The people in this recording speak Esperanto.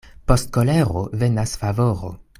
Post kolero venas favoro.